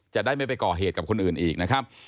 จะได้ไม่ไปก่อเหตุกับคนอื่นอีกนะครับ